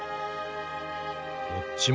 こっちも。